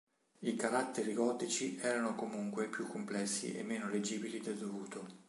I caratteri gotici erano comunque più complessi e meno leggibili del dovuto.